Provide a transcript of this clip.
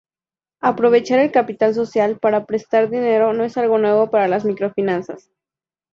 Aprovechar el capital social para prestar dinero no es algo nuevo para las microfinanzas.